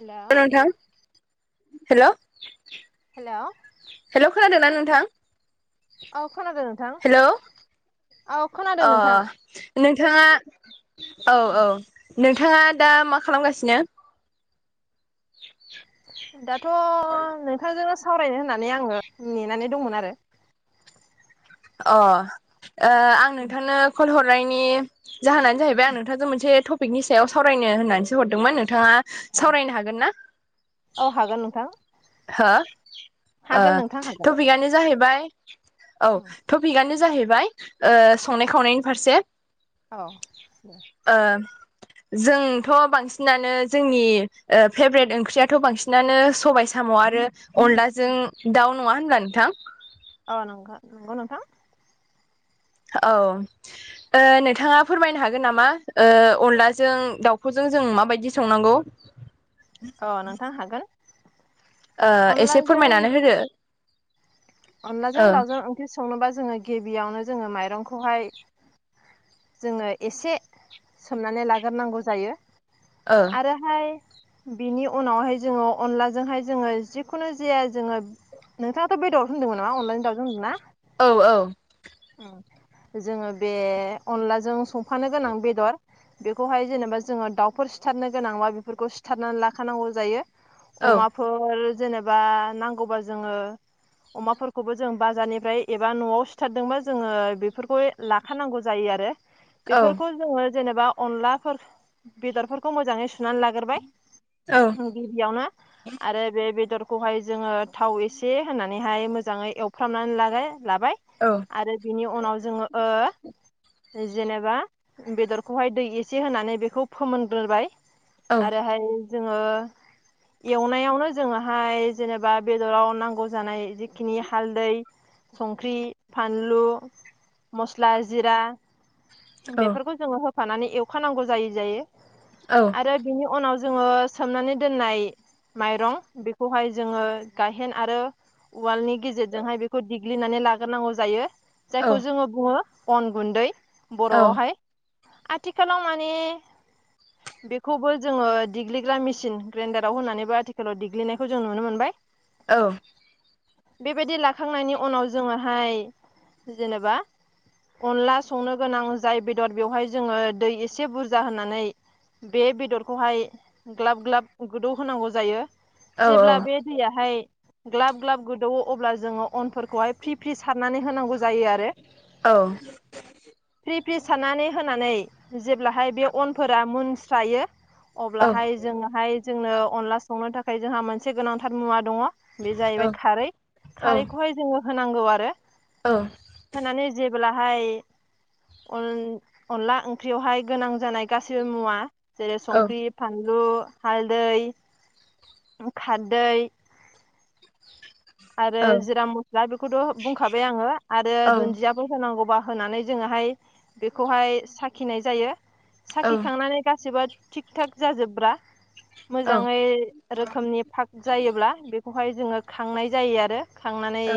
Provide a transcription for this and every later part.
हेल' नोंथां हेल'। हेल'। हेल' खोनादोंना नोंथां। औ खोनादों। नोंथां हेल' औ खोनादों अ। नोंथां नोंथाङा औ औ नोंथाङा दा मा खालामगासिनो? दाथ' नोंथांजोंनो सावरायनो होननानै आङो नेनानै दंमोन आरो। अ आं नोंथांनो कल हरनायनि जाहोनानो जाहैबाय आं नोंथांजों मोनसे टपिकनि सायाव सावरायनो होननानैसो हरदोंमोन नोंथाङा सावरायनो हागोन ना? औ हागोन नोंथां। हो हागोन नोंथां हागोन टपिकआनो जाहैबाय औ। टपिकआनो जाहैबाय संनाय खावनायनि फारसे। औ ओ जोंथ' बांसिनानो जोंनि फेभ्रेट ओंख्रियाथ' बांसिनानो सबाइ जों साम' आरो अनलाजों दाउ नङा होनब्ला नोंथां। अ नंगौ नंगौ नोंथां औ नोंथाङा फोरमायनो हागोन नामा अनलाजों दाउखौजों जों माबायदि संनांगौ। अ नोंथां हागोन। एसे अनलाजों फोरमायनानै होदो। अनलाजों ओ दाउजों ओंख्रि संनोबा जोङो गिबियावनो जोङो माइरंखौहाय जोङो एसे सोमनानै लाग्रोनांगौ जायो। ओ आरोहाय बिनि उनावहाय जोङो अनलाजोंहाय जोङो जिखुनु जाया जोङो नोंथाङाथ' बेदर होनदोंमोन नामा अनलानि दावजों होनदोंना? औ औ। जोङो बे अनलाजों संफानो गोनां बेदर बेखौहाय जेनेबा जोङो दाउफोर सिथारनो गोनांबा बेफोरखौ सिथारनानै लाखानांगौ जायो। औ अमाफोर जेनेबा नांगौबा जोङो अमाफोरखौबो जों बाजारनिफ्राय एबा न'आव सिथारदोंमोन जोङो बेफोरखौ लाखानांगौ जायो आरो। बेफोरखौ जोङो जेनेबा अनलाफोर बेदरफोरखौ मोजाङै सुनानै लाग्रोबाय। औ गिबियावनो आरो बे बेदरखौहाय जोङो थाव एसे होनानैहाय मोजाङै एवफ्रामनानै ला लाबाय। औ। आरो बिनि उनाव जोङो जेनेबा बेदरखौहाय दै एसे होनानै बेखौ फोमोनग्रोबाय। औ आरोहाय जोङो एवनायावनो जोङोहाय जेनेबा बेदराव नांगौ जानाय जिखिनि हालदै संख्रि फानलु मस्ला जिरा बेफोरखौ जोङो होफानानै एवखानांगौ जायै जायो औ आरो बिनि उनाव जोङो सोमनानै दोननाय माइरं बेखौहाय जोङो गायहेन आरो वालनि गेजेरजोंहाय बेखौ देग्लिनानै लाग्रोनांगौ जायो औ जायखौ जोङो बुङो अन गुन्दै औ बर'आवहाय आथिखालाव माने [inaudible] बेखौबो जोङो देग्लिग्रा मेसिन ग्राइडाराव होनानैबो आथिखालाव देग्लिनायखौ जों नुनो मोनबाय औ बेबायदि लाखांनायनि उनाव जोङोहाय जेनेबा अनला संनो गोनां जाय बेदर बेवहाय जोङो दै एसे बुरजा होनानै बे बेदरखौहाय ग्लाब ग्लाब गोदौ होनांगौ जायो औ जेब्ला बे दैयाहाय। ग्लाब ग्लाब गोदौवो अब्ला जोङो अनफोरखौहाय फ्रि फ्रि सारनानै होनांगौ जायो आरो। औ। फ्रि फ्रि सारनानै होनानै जेब्लाहाय बे अनफोरा मोनस्रायो। अब्लाहाय जोंहाय जोंनो अनला संनो थाखाय जोंहा मोनसे गोनांथार मुवा दङ'। बे जाहैबाय खारै खारैखौहाय जोङो होनांगौ आरो। ओ। होनानै जेब्लाहाय। अन-अनला ओंख्रियावहाय गोनां जानाय गासिबो मुवा जेरै संख्रि। फानलु हालदै खारदै। आरो जिरा मस्ला बेखौथ' बुंखाबाय आङो आरो दुन्दिया। होनांगौबा होनानै जोङोहाय बेखौहाय साखिनाय जायो। साखिखांनानै गासिबो थिग थाक जाजोब्रा मोजाङै। रोखोमनि पाक जायोब्ला बेखौहाय जोङो खांनाय जायो आरो खांनानै। औ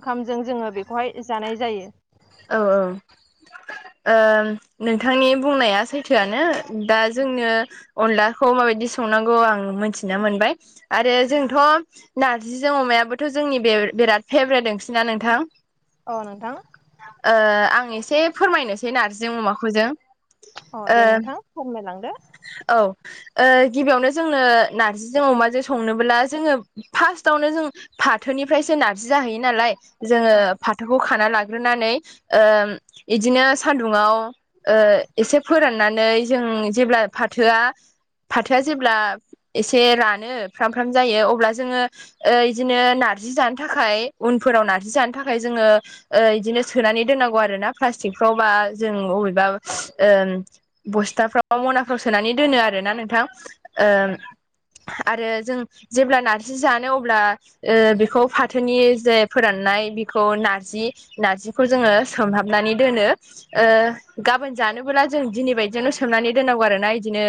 ओंखामजों जोङो बेखौहाय जानाय जायो। औ औ ओ नोंथांनि बुंनाया सैथोआनो। दा जोंनो अनलाखौ माबायदि संनांगौ आं मोनथिना मोनबाय। आरो जोंथ' नारजिजों अमायाबोथ' जोंनि बे बेराद फेभरेट ओंख्रिना नोंथां। औ नोंथां। ओ आं एसे फोरमायनोसै नारजिजों अमाखौजों। अ दे नोंथां फोरमायलांदो। औ ओ गिबियावनो जोंनो नारजिजों अमाजों संनोबोब्ला जोङो। फार्स्टआवनो जों फाथोनिफ्रायसो नारजि जाहैयो नालाय जोङो औ फा थोखौ खाना लाग्रोनानै ओ बिदिनो सानदुङाव। ओ एसे फोराननानै जों जेब्ला फाथोआ फाथोआ जेब्ला। एसे रानो फ्राम फ्राम जायो अब्ला जोङो। ओ एदिनो नार्जि जानो थाखाय उनफोराव नार्जि जानो थाखाय जोङो। ओ एदिनो सोनानै दोननांगौ आरो ना प्लास्टिकफ्राव बा जों अबेबा ओ। बस्थाफ्राव मनाफ्राव सोनानै दोनो आरोना नोंथां औ ओ आरो जों जेब्ला नारजि जानो अब्ला। ओ बेखौ फाथोनि जे फोराननाय बेखौ नारजि। नारजिखौ जोङो सोमहाबनानै दोनो ओ गाबोन जानोबोला जों दिनै बायदियावनो सो सोमनानै दोननांगौ आरो ना इदिनो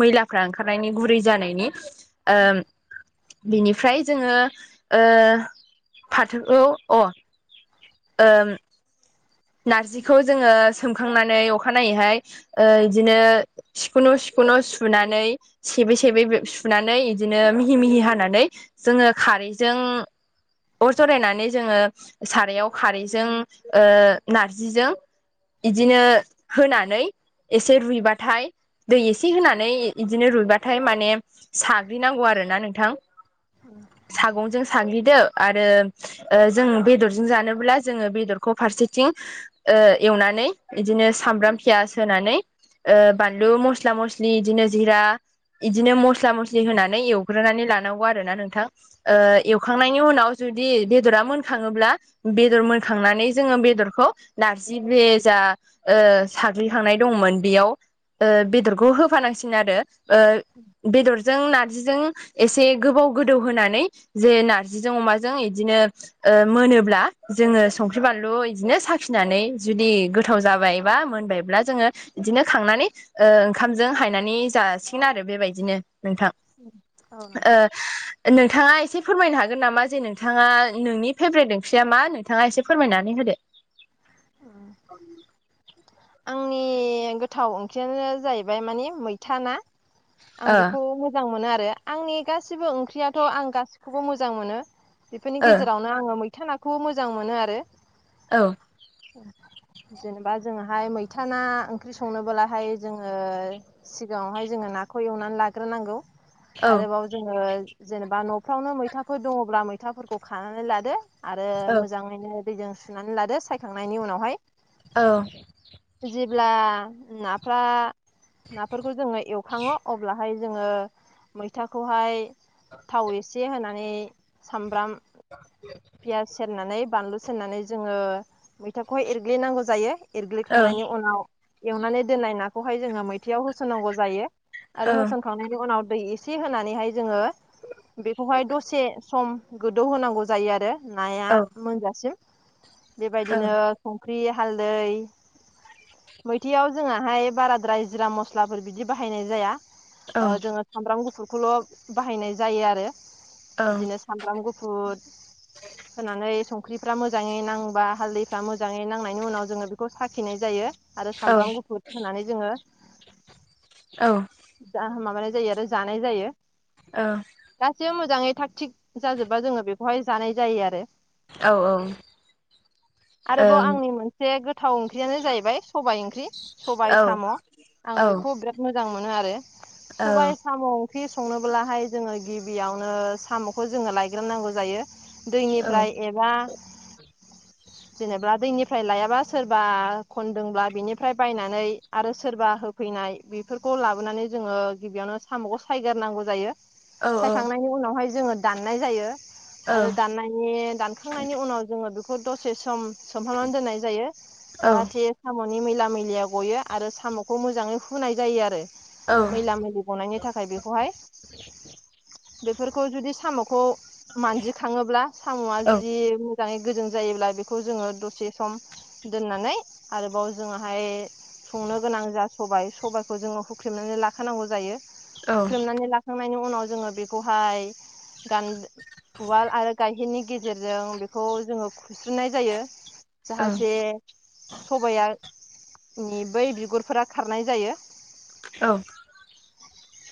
मैलाफ्रा ओंखारनायनि गुरै जानायनि। ओम। बिनिफ्राय जोङो ओ फाथो औ अ। ओम। नारजिखौ जोङो सोमखांनानै अखानायैहाय ओ इदिनो। सिखुन' सिखुन' सुनानै। सेबै सेबै सुनानै इदिनो मिहि मिहि हानानै जोङो खारैजों अर जरायनानै जोङो सारायाव खारैजों ओ नारजिजों इदिनो होनानै एसे रुइबाथाय दै एसे होनानै इदिनो रुइबाथाय माने साग्लिनांगौ आरोना नोंथां। सागंजों साग्लिदो आरो जों बेदरजों जानोब्ला जोङो बेदरखौ फारसेथिं ओ एवनानै बिदिनो सामब्राम पियास होनानै ओ बानलु मस्ला मस्लि इदिनो जिरा इदिनो मस्ला मस्लि होनानै एवग्रोनानै लानांगौ आरो ना नोंथां। ओ एवखांनायनि उनाव जुदि बेदरा मोनखाङोब्ला बेदर मोनखांनानै जोङो बेदरखौ नारजि ब्रेजा ओ साग्लिखांनाय दंमोन बेयाव ओ बेदरखौ होफानांसिन आरो। ओ बेदरजों नारजिजों एसे गोबाव गोदौ होनानै जे नारजिजों अमाजों इदिनो मोनोब्ला जोङो संख्रि बानलु बिदिनो साखिनानै जुदि गोथाव जाबाय बा मोनबाय अब्ला जोङो बिदिनो खांनानै ओ ओंखामजों हायनानै जासिगोन आरो बेबायदिनो नोंथां। औ ओ नोंथां नोंथाङा एसे फोरमायनो हागोन नामा? जे नोंथाङा नोंनि फेभ्रेट ओंख्रिया मा नोंथाङा एसे फोरमायनानै होदो। [inaudible] आंनि गोथाव ओंख्रियानो जाहैबाय मानि मैथा ना। आं ओ बेखौ म मोजां मोनो आरो। आंनि गासिबो ओंख्रियाथ' आं गासिखौबो मोजां मोनो बेफोरनि ओ गेजेराव आङो मैथा नाखौबो मोजां मोनो आरो। औ। जेनेबा जोंहा ओमफ्राय मैथा ना ओंख्रि संनोबोलाहाय जोङो सिगाङावहाय जोङो नाखौ एवनानै लाग्रोनांगौ। औ आरोबाव जोङो जेनेबा न'फ्रावनो मैथाफोर दङब्ला मैथाफोरखौ खानानै लादो। आरो मोजाङैनो दैजों सुनानै लादो सायखांनायनि उनावहाय। औ। जेब्ला नाफ्रा नाफोरखौ जोङो एवखाङो अब्लाहाय जोङो मैथाखौहाय थाव एसे होनानै सामब्राम [unintelligible] पियास सेरनानै बानलु सेरनानै जोङो मैथाखौहाय एरग्लिनांगौ जायो एरल्गि खांनायनि उनाव एवनानै दोननाय नाखौहाय जोंङो ओंख्रियाव होसननांगौ जायो। आरो होसन खांनायनि उनाव दै एसे होनानैहाय जोङो बेखौहाय दसे सम गोदौ होनांगौ जायो आरो नाया औ मोनजासिम बेबायदिनो संख्रि हालदै [inaudible] मैथाययाव जोंहाहाय बाराद्राय जिरा मस्लाफोर बिदि बाहायनाय जाया। औ ओ जोङो सामब्राम गुफुरखौल' बाहायनाय जायो आरो। औ बिदिनो सामब्राम गुफुर होनानै संख्रिफ्रा मोजाङै नांबा हाल्दैफ्रा मोजाङै नांनायनि उनाव जोङो बेखौ साखिनाय जायो आरो सामब्राम गुफुर होनानै जोङो औ। जा माबानाय जायो आरो जानाय जायो। औ। गासिबो मोजाङै थाग थिग जाजोबबा जोङो बेखौहाय जानाय जायो आरो। औ [unintelligible] ओम औ आरोबाव आंनि मोनसे गोथ थाव ओंख्रियानो जाहैबाय सबाइ ओंख्रि सबाइ साम' आं औ बेखौ बिराद मोजां मोनो आरो सबाइ साम ख्रि संनोब्लाहाय जोङो गिबियावनो साम'खौ जोङो लायग्रोननांगौ जायो। दैनिफ्राय एबा जेनेबा दैनिफ्राय लायाबा सोरबा खनदोंब्ला बिनिफ्राय बायनानै आरो सोरबा होफैनाय [unintelligible] बेफोरखौ लाबोनानै जोङो गिबियावनो साम'खौ सायगार नांगौ जायो। सायखांनायनि उनावहाय जोङो दाननाय जायो आरो दाननायनि दान खांनायनि उनाव जोङो बेखौ दसे सम सोमहनानै दोननाय जायो औ जाहाथे साम'नि मैला मैलया गयो आरो साम'खौ मोजाङै हुनाय जायो आरो औ मैला मैलि गनायनि नि थाखाय बेखौहाय बेफोरखौ जुदि साम'खौ मानजिखाङोब्ला साम'आ जुदि मोजाङै गोजों जायोब्ला बेखौ जोङो दसे सम दोननानै आरोबाव जोङाहाय संनो गोनां जा सबाय सबायखौ जोङो हुख्रेमनानै लाखानांगौ जायो। हुख्रेमनानै लाखांनायनि उनाव जोङो बेखौहाय गान वाल आरो गाहेनि गे जेरजों बेखौ जोङो खुस्रुनाय जायो जाहाथे सबाया नि बै बिगुरफोरा खारनाय जायो। औ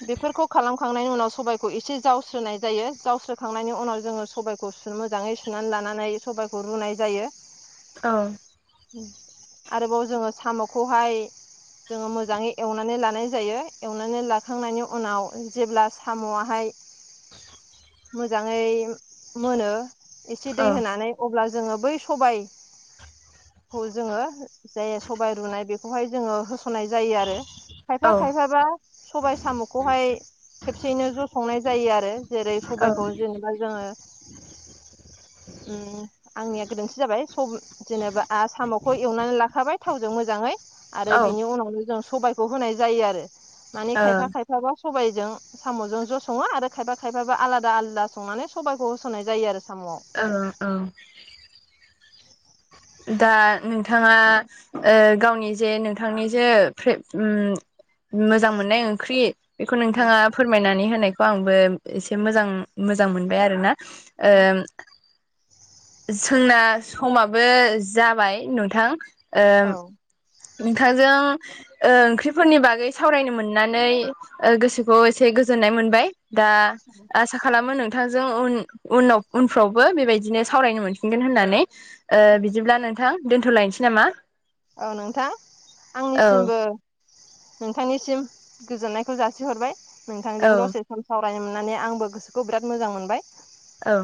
बेफोरखौ खालामखांनायनि उनाव सबाइखौ एसे जावस्रोनाय जायो जावस्रोखांनायनि उनाव जोङो सबायखौ गु मोजाङै सुनानै लानानै सबाइखौ रुनाय जायो औ आरोबाव जोङो साम'खौहाय जोङो मोजाङै एवनानै लानाय जायो एवनानै लाखांनायनि उनाव जेब्ला साम'आहाय मोजाङै मोनो एसे दै होनानै अब्ला जोङो बै सबाय खौ जोङो जाय सबाय रुनाय बेखौहाय जोङो होस'नाय जायो आरो खायफा खायफाबा सबाइ साम'खौहाय खेबसेयैनो ज' संनाय जायो आरो जेरै सबाइखौ जों जोङो उम आंनिया गोरोन्थि जाबाय स जेनेबा आं साम'खौ एवनानै लाखाबाय थावजों मोजाङै आरो ओ बिनि उनावनो जों सबाय खौ होनाय जायो आरो मानि खायफा खायफाबा सबायजों साम'जों ज' सङो आरो खायफा खायफाबो आलादा आलादा संनानै सबाइखौ होस'नाय जायो आरो साम'आव औ औ दा नोंथाङा ओ गावनि जे नोंथांनि जे [unintelligible] उम मोजां मोननाय ओंख्रि बेखौ नोंथाङा फोरमायनानै होनायखौ आंबो एसे मोजां मोजां मोनबाय आरो ना ओ औ जोंना समाबो जाबाय नोंथां ओ औ नोंथांजों ओ ओंख्रिफोरनि बागै सावरायनो मोननानै ओ गोसोखौ एसे गोजोननाय मोनबाय। दा [unintelligible] आसा खालामो नोंथांजों उन-उनाव उनफ्रावबो बेबायदिनो सावरायनो मोनफिनगोन होननानै। ओ बिदिब्ला नोंथां दोन्थ'लायनोसै नामा? औ नोंथां औ आंनिसिमबो नोंथांनिसिम गोजोननायखौ जासिहरबाय औ नोंथांजों दसे सावरायनो मोननानै आंबो गोसोखौ बिराद मोजां मोनबाय। औ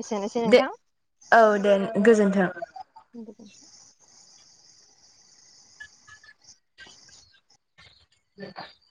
एसेनोसै दे नोंथां औ दे गोजोन्थों। [unintelligible] [unintelligible]